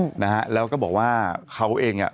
อืมนะฮะแล้วก็บอกว่าเขาเองอ่ะ